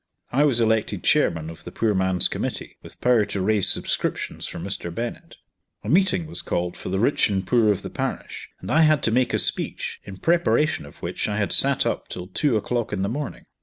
I was elected chairman of the Poor Man's Committee, with power to raise subscriptions for Mr. Bennett. A meeting was called for the rich and poor of the parish, and I had to make a speech, in preparation of which I had sat up till two o'clock in the morning.